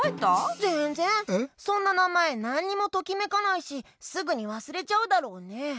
そんななまえなんにもときめかないしすぐにわすれちゃうだろうね。